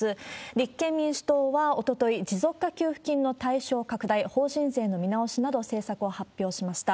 立憲民主党はおととい、持続化給付金の対象拡大、法人税の見直しなど、政策を発表しました。